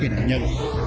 với nạn nhân